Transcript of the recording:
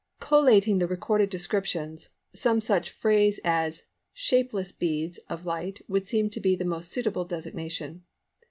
Collating the recorded descriptions, some such phrase as "shapeless beads" of light would seem to be the most suitable designation.